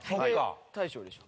大昇でしょ？